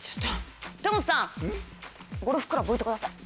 豊本さんゴルフクラブ置いてください。